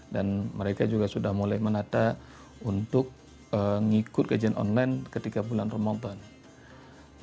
dan mereka juga sudah mulai menata untuk mengikuti kejian online ketika bulan ramadan